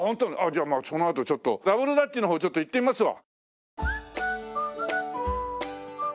じゃあこのあとちょっとダブルダッチの方ちょっと行ってみますわ。